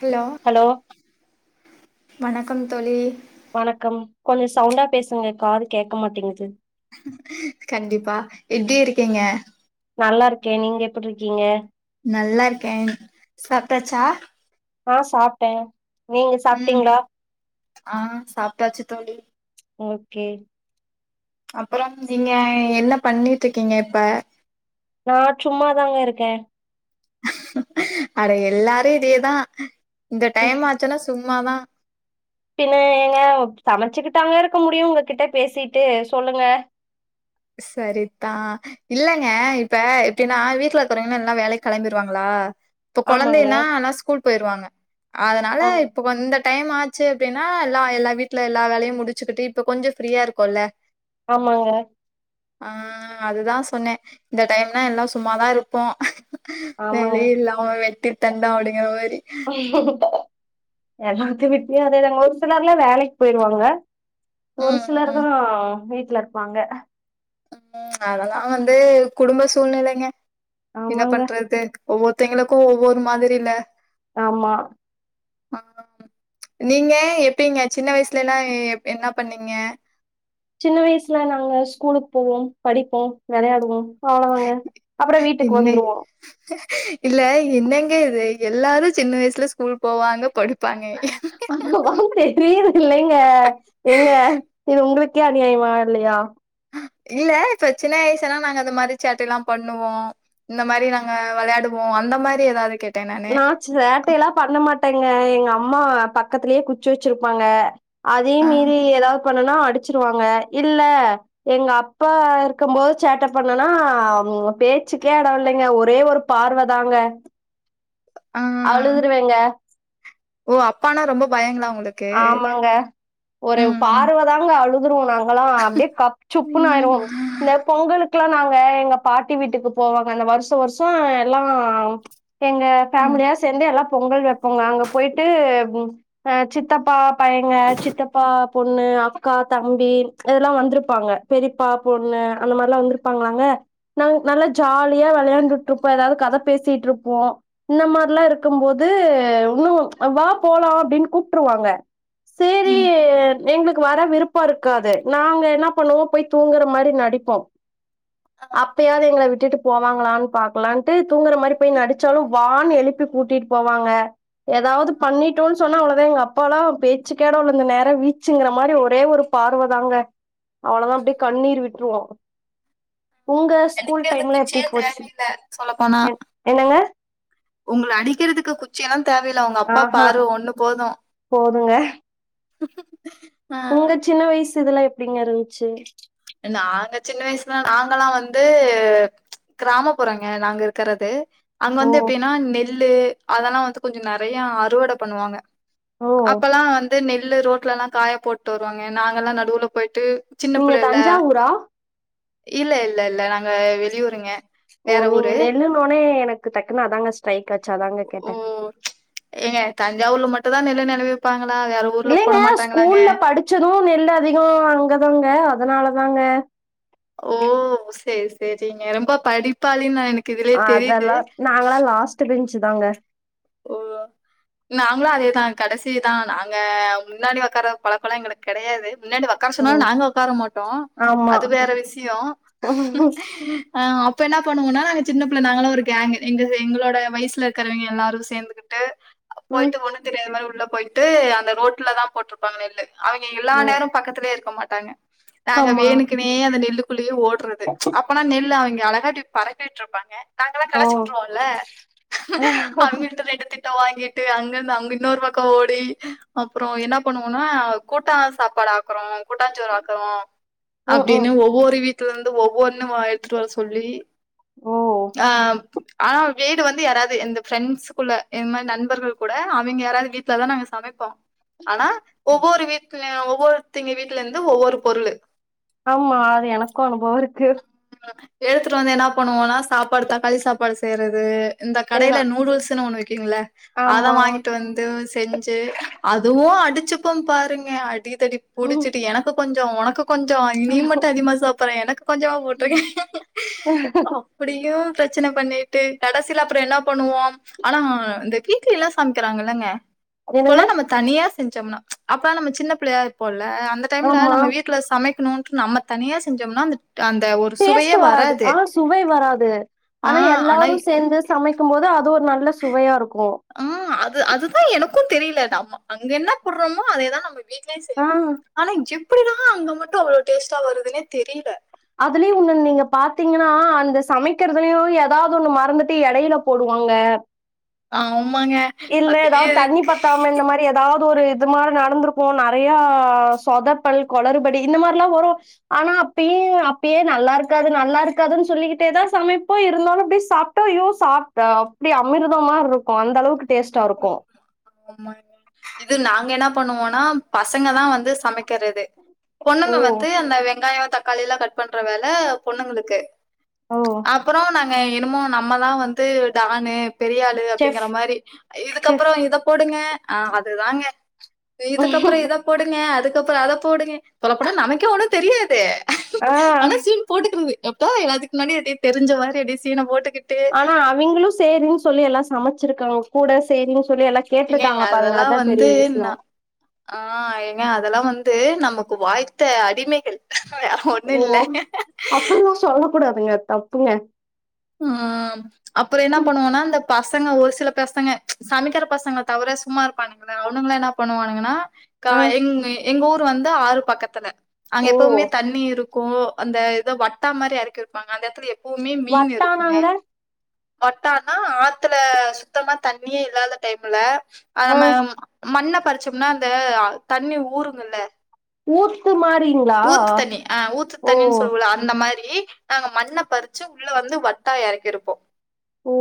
Hello hello வணக்கம் தோழி வணக்கம் கொஞ்ச சவுண்டா பேசுங்க காது கேக்க மாட்டேங்குது கண்டிப்பா எப்டி இருக்கிங்க நல்லா இருக்கே நீங்க எப்படி இருக்கீங்க நல்லாருக்கே சாப்டாச்சா ஆ சாப்ட்டே நீங்க ம் சாப்ட்டீங்களா ஆ சாப்ட்டாச்சு தோழி ஓகே அப்புறம் நீங்க என்ன பண்ணிட்ருக்கீங்க இப்ப நா சும்மாதாங்க இருக்கே ஆட எல்லாரு இதேதா இந்த டைம் ஆச்சுன்னா சும்மாதா பின்ன எங்க சமச்சுக்கிட்டாங்க இருக்க முடியு உங்ககிட்ட பேசிட்டு சொல்லுங்க சரிதா இல்லங்க இப்ப எப்டின்னா வீட்ல இருக்குறங்கன்னா எல்லா வேலைக் கெளம்பிடுவாங்களா இப்ப ஆமாங்க கொழந்தைன்னா ஆனா ஸ்கூல் போயிருவாங்க அதனால ஆமா இப்போ வந்து டைம் ஆச்சு அப்டின்னா எல்லா எல்லா வீட்டுல எல்லா வேலையு முடிச்சுக்கிட்டு இப்போ கொஞ்ச ஃப்ரீயா இருக்குல்ல ஆமாங்க ஆ அதுதா சொன்னே இந்த டைம்னா எல்லா சும்மாதா இருப்போ ஆமாங்க வேலையே இல்லாம வெட்டி தண்டா அப்டிங்குற மாரி எல்லாத்து வீட்லயு அதேதாங்க ஒரு சிலர்லா வேலைக்கு போயிருவாங்க ஒரு ம் சிலர் ம் தா வீட்டுல இருப்பாங்க ம் அதெல்லா வந்து குடும்ப சூழ்நிலைங்க என்ன ஆமாங்க பண்றது ஒவ்வொருத்தவைங்களுக்கு ஒவ்வொரு மாதிரில்ல ஆமா ஆ நீங்க எப்டிங்க சின்ன வயசுலலா எப் என்ன பண்ணீங்க சின்ன வயசுல நாங்க ஸ்கூலுக்கு போவோ படிப்போ வெளையாடுவோ அவ்ளதாங்க அப்புறோ வீட்டுக்கு என்ன வந்துருவோ இல்ல என்னங்க இது எல்லாரு சின்ன வயசுல ஸ்கூல் போவாங்க படிப்பாங்க தெரிய இல்லைங்க எங்க இது உங்களுக்கே அநியாயமா இல்லையா இல்ல இப்ப சின்ன வயசானா நாங்க அந்த மாரி சேட்ட எல்லா பண்ணுவோ இந்த மாரி நாங்க வெளையாடுவோ அந்த மாரி ஏதாது கேட் நா சேட்ட எல்லா பண்ண மாட்டேங்க எங்க அம்மா பக்கத்துலயே குச்சி வெச்சிருப்பாங்க அதையு ஆ மீறி ஏதாவு பண்ணனா அடிச்சிருவாங்க இல்ல எங்க அப்பா இருக்கும் போது சேட்ட பண்ணேனா பேச்சுக்கே எடொ இல்லைங்க ஒரே ஒரு பார்வதாங்க ஆ அழுதுருவேங்க ஓ அப்பானா ரொம்ப பயங்களா உங்களுக் ஆமாங்க ஒரு பார்வ தாங்க அழுதுருவோ நாங் கல்லா அப்டியே கப்ச்சுப்புனு ம் ஆயிருவோ இந்த பொங்கலு க்குல்லா நாங்க எங்க பாட்டி வீட்டுக்கு போவோங்க அந்த வருஷ வருஷ எல்லா எங்க ம் ஃபேமிலியா சேந்து எல்லா பொங்கல் வைப்போங்க அங்க போயிட்டு அ சித் தப்பா பையங்க சித்தப்பா பொண்ணு அக்கா தம்பி இதெல்லா வந்துருப்பாங்க பெரியப்பா பொண்ணு அந்த மாரில்லா வந்திருப்பாங்களாங்க நாங்க நல்லா ஜாலியா வெளயாண்டுட்ருப்போ எதாவ்து கத பேசிட்ருப்போ இந்த மார்லா இருக்கும்போது உன்னு வா போலா அப்டின் கூப் ட்ருவாங்க சேரி ம் எங்களுக்கு வர விருப்போ இருக்காது நாங்க என்ன பண்ணுவோ போய் தூங்குற மாரி நடிப்போ ஆ அப்பயாது எங்கள விட்டுட்டு போவாங்களான் பாக்கலான்ட்டு தூங்ற மாரி போய் நடிச்சாலு வானு எழுப்பி கூட்டி போவாங்க எதாவ்து பண்ணிட்டோன்னு சொன்னா அவ்ளதா எங்க அ ப்பால்லா பேச்சுக்கே எடோல்லங்க நேரா வீச்சுங்ற மாரி ஒரே ஒரு பார்வ தாங்க அவ்ளதா அப்டியே கண்ணீர் விட்டுருவோ உங்க ஸ்கூல் எனக்கே அந்த டைம்ல எப்டி குச்சியே போச்சு தேவயில்ல சொல்ல போனா என் என்னங்க ஒங்கள அடிக்கிறதுக்கு குச்சி எல்லா தேவயில்ல உங்கப்பா ஆஹா பார்வ ஒண்ணு போது போதுங்க ஆ உங்க சின்ன வய்சு இதல்லா எப்டிங்க இருன்ச்சு நாங்க சின்ன வய்சுல நாங்கல்லா வந்து கிராமப்புறோங்க நாங்க இருக்கறது அங்க ஓ வந்து எப்டின்னா நெல்லு அதெல்லா வந்து கொஞ்சொ நறையா அறுவட பண்ணுவாங்க ஓ அப்பல்லா வந்து நெல்லு ரோட்லல்லா காய போட்டு வருவாங்க நாங்கல்லா நடுவுல போய்ட்டு நீங்க தஞ்சாவூரா இல்ல இல்ல இல்ல நாங்க வெளியூருங்க ஓ வேற நீங்க ஊரு. நெல்லுனோனே எனக்கு டக்குன்னு அதாங்க ஸ்ட்ரைக் ஆச்சு அதாங்க ஓ! கேட்டே ஏங்க தஞ்சாவூர்ல மட்டுந்தா நெல்ல நெலவிப்பாங்களா வேற ஊர்ல இல்லைங்க போட மாட்டாங்களாங்க? ஸ்கூல்ல படிச்சது நெல் அதிகோ அங்கதாங்க அதனால தாங்க ஓ சேர் சேரிங்க ரொம்ப படிப்பாளினு நா என அதெல்லா நாங்களா லாஸ்ட்டு பென்ச்சு தாங்க ஓ நாங்ளு அதேதா கடைசி தா நாங்க முன்னாடி ஒக்காற பழக்கலா எங்களுக்கு கெடயாது முன்னாடி ஒ க்கார் சொனாலு ம் நாங்க ஒக்கார மாட்டோ ஆமா அது வேற விஷியோ ஆ அப்ப என்ன பண்ணுவோன்னா நாங்க சின்ன பிள்ள நாங்களா ஒரு கேங்கு எங்க எங்களோட வய்சுல இருக்கிறவய்ங்க எல்லாரு சேந்துகிட்டு ம் போய்ட்டு ஒண்ணு தெரியாத மாரி உள்ள போய்ட்டு அந்த ரோட்ல தா போட்ரு ப்பாங்க நெல்லு அவிங்க எல்லா ம் நேரோ பக்கத்திலே இருக்க மாட்டாங்க நாங்க ஆமா வேணுக்கு னே அந்த நெல்லுக்குள்ளயே ஓட்ற [inaudible] அப்பனா நெல் அவிங்க அழகா இப்டி பறக்க விட்ருப்பாங்க நாங்கல்லா ஓ களச்சுட்ருவோல அவிங்கட்ட ரெண்டு திட்டு வாங்கிட்டு அங்கருந்து அங்க இன்னொரு பக்கோ ஓடி அப்றோ என்ன பண்ணுவோனா கூட்டான் சாப்பாடு ஆக்குறோ கூட்டாஞ்சோறு ஆக்குறோ ம் ம் அப்டின்னு ஒவ்வொரு வீ ட்லருந்து ஒவ்வொன்னு வ எட்த்துட்டு வர சொல்லி ஓ ஆ ஆ வீடு வந்து யாராவ்து எந்த ஃப்ரெண்ட்ஸ்ஸு குள்ள இன் மாரி நண்பர்கள் கூட அவிங்க யாராவ்து வீட்ல தா நாங்க சமைப்போ ஆனா ஒவ்வொரு வீ ட்ல ஒவ்வொருத்தைங்க வீட்லருந்து ஒவ்வொரு பொருளு ஆமா அது எனக்கு அனுபவோ இருக்கு எடுத்துட்டு வந்து என்ன பண்ணுவோனா சாப்பாடு தக்காளி சாப்பாடு செய்றது இந்த எல்லா கடைல நூடுல்ஸ்னு ஒண்ணு விக்கிங்ல அத ஆமா வாங்கிட்டு வந்து செஞ்சு அதுவு அடிச்சுபோ பாருங்க அடிதடி ம். புடிச்சிட்டு எனக்கு கொஞ்சோ ஒனக்கு கொஞ்சோ நீ மட்டு அதிகமா சாப்பற எனக்கு கொஞ்சமா போட்ருக்கே அப்டியு பிரச்சன பண்ணிட்டு கடசில அப்புறொ என்ன பண்ணுவோ ஆனா இந்த கி கிலா சமைக்கிறாங்கல்லங்க அப்பல்லா என்னங்க நம்ம தனியா செஞ்சம்னா அப்பல்லா நம்ம சின்ன பிள்ளையா இருப்போல்ல அந்த டைம்ல ஆமா நம்ம வீட்டு ப்ளஸ் சமைக்குணு நம்ம தனியா செஞ்சோம்னா அந்த அந்த ஒரு டேஸ்ட் சுவையே வராது ஆனா சுவை வராது ஆனா எல்லாரு சேந்து சமைக்கும் போது அது ஒரு நல்ல சுவையா இருக்கூ ஆ அது அதுதா எனக்கூந் தெரியில நம்மோ அங்க என்ன போடுறோமோ அதேதா நம்ம வீட்லயு ஆ ஆனா எப்டிதா அங்க மட்டு அவ்வளவு டேஸ்ட்டா வருதுன்னே தெரியில அதுலயு ஒண்ணு நீங்க பாத்தீங்கன்னா அந்த சமைக்கிறதுலயு எதாவ்து ஒண்ணு மறந்துட்டு எடையில போடுவாங்க ஆமாங்க அதுலயே இருக்கு அதாவ்து ஒரு இது மாரி நடந்திருக்கூ நறையா சொதப்பல் கொளறுபடி இந்த மாரல்லா வரு ஆனா அப்பயே அப்பயே நல்லாருக்காது நல்லாருக்காதுன்னு சொல்லிக்கிட்டே தா சமைப்போ இருந்தாலு அப்டி சாப்ட்டா ஐயோ சாப் ரா அப்டி அமிர்தொ மார்ருக்கூ அந்த அளவுக்கு டேஸ்ட்டாருக்கூ இது நாங்க என்ன பண்ணுவோனா பசங்க தா வந்து சமைக்கறது ஓ பொண்ணுங்க வந்து அந்த வெங்காயொ தக்காளி எல்லா கட் பண்ற வேல பொண்ணுங்களுக்கு ஓ அப்பறொ நா ங என்னமோ நம்மதா வந்து டானு பெரியாளு செஃப் அப்டிங்கற மாரி செஃப் இதுக்கப்பறொ இத போடுங்க ஆ அதுதாங்க இதுக்கப்பறொ இத போடுங்க அதுக்கப்புறொ அத போடுங்க சொல்ல போன நமக்கே ஒண்ணு தெரியாது ஆ ஆனா சீன் போட்டுக்கிறது எப்பா எல்லாதுக்கு முன்னாடி ஆப்டி தெரிஞ்ச மாரி அப்டியே சீன போட்டுக்கிட் ஆனா அவிங்களு சேரின் சொல்லி எல்லா சமைச்சிருக்காங்க கூட சேரின்னு சொல்லி எல்லா ஏங்க கேட்ருக்காங்களா பாருங்க அதா பெரிய விஷயொ ஆ ஏங்க அதெல்லா வந்து நமக்கு வாய்த்த அடிமைகள் ஒண்ணு ஓ இல்ல அப்பில்லா சொல்ல கூடாதுங்க தப்புங்க ஆம் அப்புறொ என்ன பண்ணுவோனா இந்த பசங்க ஒரு சில பசங்க சமைக்கிற பசங்களை தவற சும்மா இருப்பானங்களே அவனுங்கள என்னா பண்ணுவுங்கன்னா கா ஆ எங் எங்க ஊர் வந்து ஆறு பக்கத்துல அங்க ஓ எப்பவுமே தண்ணி இருக் க்கூ அந்த இதோ வட்டா மாரி எறக்கி இருப்பாங்க அந்த இடத்துல எப்பவுமே மீன் இருக்கூங்க வட்டானாங்க வட்டான்னா ஆத்துல சுத்தமா தண்ணியே இல்லாத டைம்ல ஆ நம்ம மண்ண பறிச்சோம்னா அந்த தண்ணி ஊருதுல ஊத்துமாதிரிங்ளா ஊத்து தண்ணி ஆ ஊத்து தண்ணின்னு சொல்வோல அந்த மாரி நாங்க மண்ண பறிச்சு உள்ள வந்து வட்டா எறக்கிருப்போ ஓ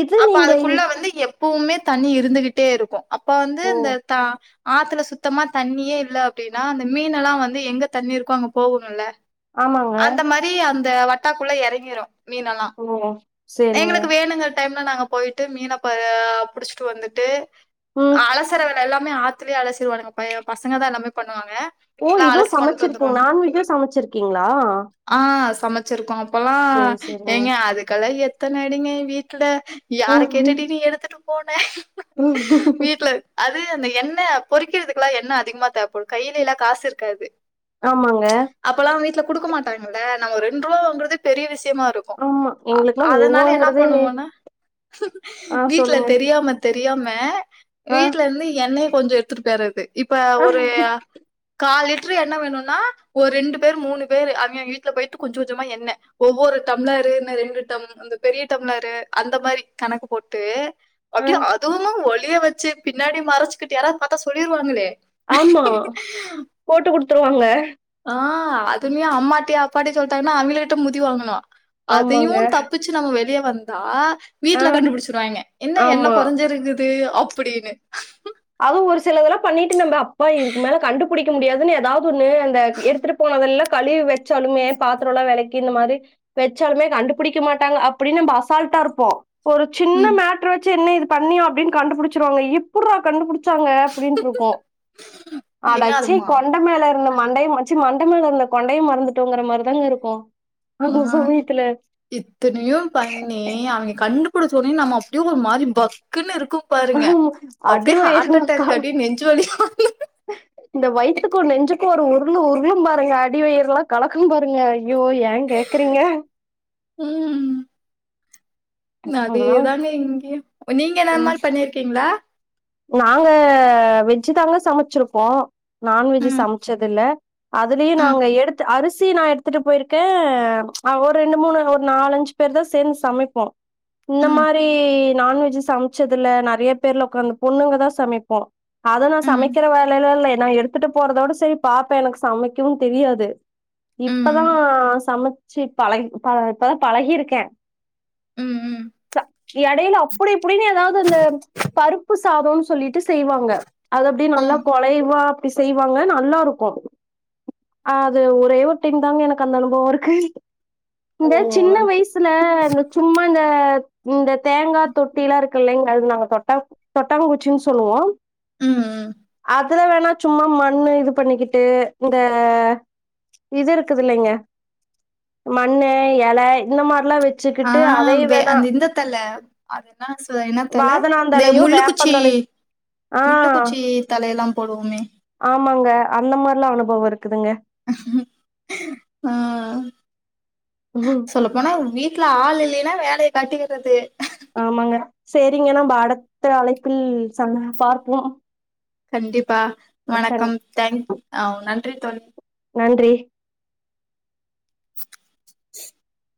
இது அப்ப நீங்க அதுக்குள்ள வந்து எப் எப்பவுமே தண்ணி இருந்துகிட்டே இருக்கூ அப்ப வந்து ஓ இந்த த ஆத்துல சுத்தமா தண்ணியே இல்ல அப்டின்னா அந்த மீன் எல்லா வந்து எங்க தண்ணி இருக்கோ அங்க போகுங்கல்ல ஆமாங்க அந்த மாரி அந்த வட்டாக்குள்ள எறங்கிரு மீனெல்லா ஓ சேரிங்க எங்களுக்கு வேணுங்க டைம்ல நாங்க போய்ட்டு மீன ப புடிச்சுட்டு வந்துட்டு ம் அலசர எல்லாமே ஆத்துலயே அலசிருவானுங்க பய பசங்க தா எல்லாமே பண்ணுவாங்க ஓ எல்லா இதுவு அலசி கொண்டு சமச்சிருக்கீங்க வந்துருவாங்க நான்வெஜு சமச்சிருக்கீங்களா ஆ சமைச்சிருக்கோ அப்பல்லா சேரிங்க ஏங்க அதுக்கெல்ல எத்தன அடிங்க வீட்ல யார ம் ம் கேட்டுடி நீ எடுத்துட்டு போன ம் வீட்ல அது அந்த எண்ணெ பொறிக்கிறதுக்குல்லா எண்ணெ அதிகமா தேவைப்படு கையிலல்லா காசு இருக்காது ஆமாங்க அப்பல்லா வீட்ல குடுக்க மாட்டாங்கல்ல நம்ம ரெண்டு ரூவா வாங்குறதே பெரிய விஷயமா இருக்கு ஆமா எங்களுக்குல்லா அதனால என்ன உருவோங்கறதே பண்ணுவோனா ஆ வீட்ல சொல்லுங்க தெரியாம தெரியாம ஆ வீட்ல இருந்து எண்ணெய கொஞ்சோ எடுத்துட்டு போய்ரது இப்ப ஆ ஒரு கால் லிட்டரு எண்ணெ வேணுன்னா ஒரு ரெண்டு பேர் மூணு பேர் அவிங்க அவிங்க வீட்ல போயிட்டு கொஞ்ச கொஞ்சமா எண்ணெ ஒவ்வொரு டம்ளருன்னு ரெண்டு டம் அந்த பெரிய டம்ளரு அந்த மாரி கணக்கு போட்டு ஆ அப்டியே அதுவு ஒழிய வச்சி பின்னாடி மறைச்சுக்கிட்டு யாராவது பாத்தா சொல்லிருவாங்களே ஆமா போட்டுகுடுத்துருவாங்க ஆ அதுலயே அம்மாட்டயோ அப்பாட்டயோ சொல்லிட்டாங்கன்னா அவிங்கள்கிட்ட மிதி வாங்கனு அதயு ஆமாங்க. தப்பிச் சி நம்ம வெளிய வந்தா ஆ வீட்ல கண்டுபிடிச்சிருவாங்க என்ன எண்ணெ ஆமா. குறைஞ்சிருக்குது அப்டின்னு அதுவு ஒரு சிலதெல்லா பண்ணிட்டு நம்ம அப்பா இதுக்கு மேல கண்டுபிடிக்க முடியாதுன்னு ஏதாவது ஒண்ணு அந்த எடுத்துட்டு போனதெல்லா கழுவி வச்சாலுமே பாத்திரோல்லா வெளக்கி இந்த மாரி வெச்சாலுமே கண்டுபிடிக்க மாட்டாங்க அப்டின்னு நம்ம அசால்ட்டா இருப்போ ஒரு சின் ம் ன மேட்டர வச்சி என்ன இது பண்ணியா அப்டின்னு கண்டுபிடிச்சிருவாங்க எப்டிர்றா கண்டுபிடிச் சாங்க அப்டின்ட்டு இருக்கு ஏங்க அடச்சி அதுமா கொண்ட மேல இருந்த மண்டைய சி மண்ட மேல இருந்த கொண்டைய மறந்துட்டோங்கிற மாரி தாங்க இருக்கு ஆ இத்தனையு பண்ணி அவிங்க கண்டு பிடிச்ச ஒன்னே நம்ம அப்டியே ஒரு மாரி பக்குன்னு இருக்கு பாருங்க ஆமா. அடி அப்டியே ஹார்ட் அட்டாக் அப்டியே நெஞ் சு வலி வந்துரு ஹ இந்த வயித்துக்கு நெஞ்சுக்கு ஒரு உருள் உருளும் பாருங்க அடிவயர்ல்லா கலக்கு பாருங்க ஐயோ ஏ கேக் குறீங்க ம் அதெல்லா அதேதாங்க இங்கயு நீங்க என்ன அது ம் மாரி பண்ணிருக்கீங்களா நாங்க வெஜ் தாங்க சமச்சிருப்போ நான்வெஜ் ம், சமைச்சது இல்ல அதுலயு ம், நாங்க எடுத்து அரிசி நா எடுத்துட்டு போயிருக்கே ஆ ஒரு ரெண்டு மூணு ஒரு நாலஞ்சு பேருதா சேந்து சமைப்போ இந்த ம், மாரி நான்வெஜ் சமைச்சது இல்ல நெறைய பேருல ஒக்காந்து பொண்ணுங்கதா சமைப்போ அத நா ம், சமைக்கிற வேலைலா இல்ல நா எடுத்துட்டு போறதோட சரி பாப்பே எனக்கு சமைக்கவு தெரியாது ம், இப்பதா ம், சமைச்சி பழகி ப இப்பதா பழகிருக்கே ம், ச இடையில அப்டி இப்படின்னு எதாவது அந்த பருப் பு சாதம்னு சொல்லிட்டு செய்வாங்க அது அப்படியே நல்லா ம். குலைவா அப்டி செய்வாங்க நல்லா இருக்கு ஆ அது ஒரே ஒரு டைம் தாங்க எனக்கு அந்த அனுபவோ இருக்கு ஓ! இந்த சின்ன வயசு ல இந்த சும்மா இந்த இந்த தேங்கா தொட்டில்லா இருக்கு இல்லங்க அதுக்கு நாங்க தொட்டா தொட்டாங்குச்சின்னு சொல்லுவோ ம் ம் அதுல வேணா சும்மா மண்ணு இது பண்ணிகிட்டு இந்த இது இருக்குது இல்லைங்க மண்ணு எல இந்த மாரிலா வச் ஆ வே அந்த இந்த தழ அது என்ன சொல் என்ன தழ இந்த முள் வாதனாந்தலையோ உள்ளுக்குச்சி வேப்பந்தலை ஆ முள்ளுக்குச்சி தலையல்லாம் போடுவோமே ஆமாங்க அந்த மாரிலா அனுபவம் இருக்குதுங்க ஆ ம் சொல்ல போனா உங் வீட்ல ஆள் இல்லைன்னா வேலைய கட்டிக்கரது ஆமாங்க சரிங்க நாம அடத்த அழைப்பில் சந்த் பார்ப்போ கண்டிப்பா வணக்கம் தேங்க் ஒவ் நன்றி தோழி நன்றி [inaudible]